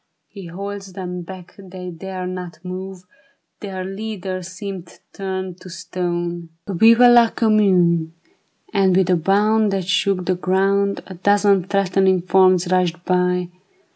He holds them back, they dare not move, Their leader seemeth turned to stone ; Vive la Commune! " And with a bound That shook the ground, A dozen threatening forms rushed by.